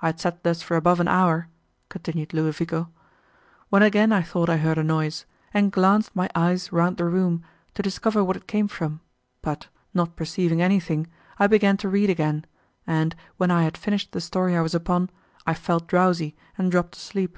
I had sat thus for above an hour," continued Ludovico, "when again I thought I heard a noise, and glanced my eyes round the room, to discover what it came from, but, not perceiving anything, I began to read again, and, when I had finished the story I was upon, I felt drowsy, and dropped asleep.